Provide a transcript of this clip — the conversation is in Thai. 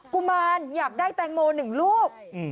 กุมารอยากได้แตงโม๑ลูก